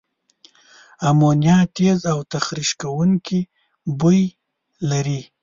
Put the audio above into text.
امونیا تیز او تخریش کوونکي بوی لري.